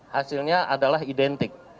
hasilnya adalah identik